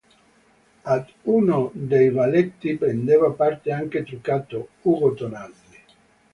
Ad uno dei balletti prendeva parte anche, truccato, Ugo Tognazzi.